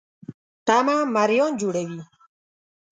تمه مریان جوړوي.